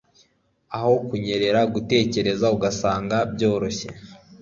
Aho kunyerera Gutekereza gusanga byoroshye